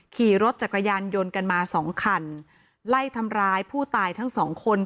ขี่รถจักรยานยนต์กันมาสองคันไล่ทำร้ายผู้ตายทั้งสองคน